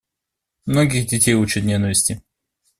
Многих детей учат ненависти.